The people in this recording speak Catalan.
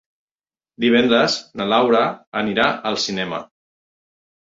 Divendres na Laura anirà al cinema.